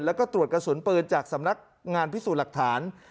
แล้วก็ตรวจกระสุนปืนจากสำนักงานพิสูจน์หลักฐาน